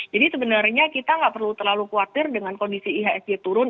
jadi sebenarnya kita nggak perlu terlalu khawatir dengan kondisi ihsg turun